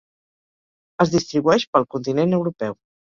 Es distribueix pel continent europeu.